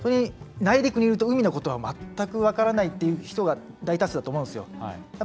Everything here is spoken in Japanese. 内陸にいると、海のことは全く分からないっていう人が大多数だと思うんですよ。